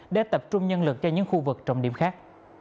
để tập trung nhân lực cho những khu vực trọng điểm khác